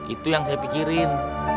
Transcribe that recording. itu yang saya pikirin